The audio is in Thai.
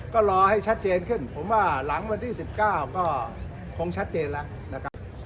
ก็รอให้ชัดเจนขึ้นผมว่าหลังวันที่๑๙ก็คงชัดเจนแล้วนะครับ